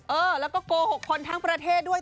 เออแล้วก็โกหกคนทั้งประเทศด้วย